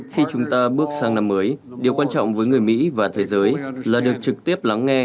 khi chúng ta bước sang năm mới điều quan trọng với người mỹ và thế giới là được trực tiếp lắng nghe